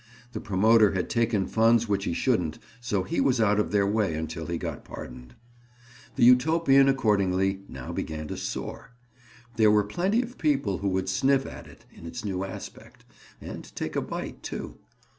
The promoter had taken funds which he shouldn't so he was out of their way, until he got pardoned. The Utopian accordingly now began to soar. There were plenty of people who would sniff at it in its new aspect, and take a bite, too.